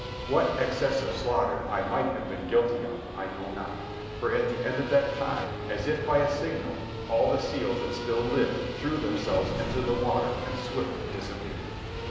What excess of slaughter I might have been guilty of I know not, for at the end of that time, as if by a signal, all the seals that still lived threw themselves into the water and swiftly disappeared.